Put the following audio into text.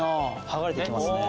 剥がれてきますね。